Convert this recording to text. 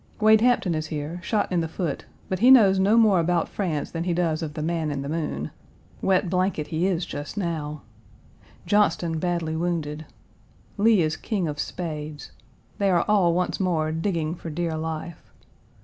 Wade Hampton is here, shot in the foot, but he knows no more about France than he does of the man in the moon. Wet blanket he is just now. Johnston badly wounded. Lee is King of Spades. They are all once more digging for dear life.